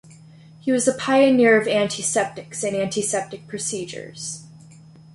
He was a pioneer of antiseptics and antiseptic procedures.